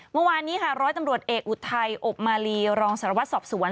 เมื่อวานนี้ค่ะร้อยตำรวจเอกอุทัยอบมาลีรองสารวัตรสอบสวน